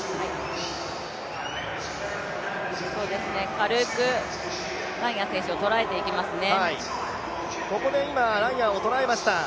軽くライアン選手を捉えていきますね。